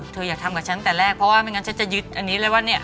เธออยากทำกับฉันแต่แรกเพราะว่าไม่งั้นฉันจะยึดอันนี้เลยว่าเนี่ย